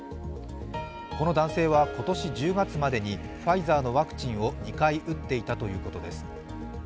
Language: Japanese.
この男性は今年１０月までにファイザーのワクチンを２回打っていたということです。